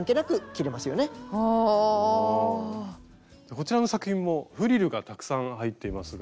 こちらの作品もフリルがたくさん入っていますが。